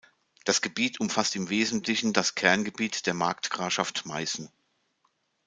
Das Gebiet umfasst im Wesentlichen das Kerngebiet der Markgrafschaft Meißen.